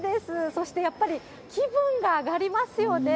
そしてやっぱり気分が上がりますよね。